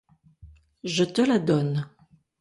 Je te la donne.